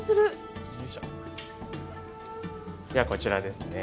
ではこちらですね。